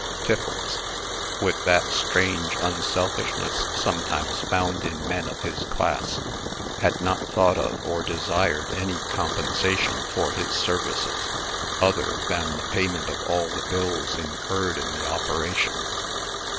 Tiffles with that strange unselfishness sometimes found in men of his class had not thought of or desired any compensation for his services, other than the payment of all the bills incurred in the operation.